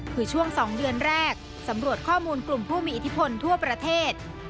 คือช่วง๒เดือนแรกสำรวจข้อมูลกลุ่มผู้มีอิทธิพลทั่วประเทศ